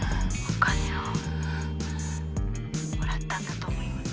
お金をもらったんだと思います。